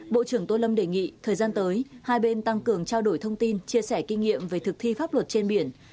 bộ trưởng tô lâm đề nghị thời gian tới hai bên tăng cường trao đổi thông tin chia sẻ kinh nghiệm về thực thi pháp luật trên biển